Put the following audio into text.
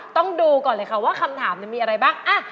ต้องดูก่อนเลยค่ะว่าคำถามมีอะไรบ้าง